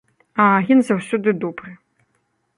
А агент заўсёды добры.